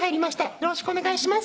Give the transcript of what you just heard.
よろしくお願いします」